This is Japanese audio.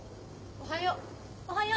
おはよう。